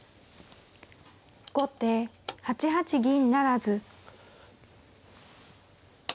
後手８八銀不成。